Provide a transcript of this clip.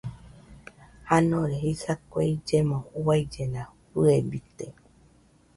Janore jisa kue illemo uaillena fɨebite